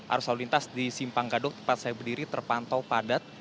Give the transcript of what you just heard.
arus lalu lintas di simpang gadok tempat saya berdiri terpantau padat